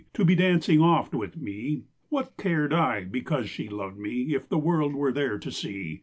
To be dancing oft with me ; (What cared I, because she loved me, If the world were there to see?)